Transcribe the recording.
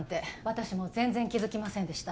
私も全然気づきませんでした